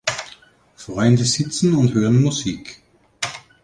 Freunde sitzen und hören Musik.